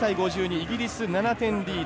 イギリス、７点リード。